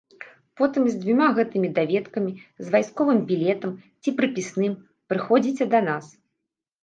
Потым з дзвюма гэтымі даведкамі, з вайсковым білетам ці прыпісным прыходзіце да нас.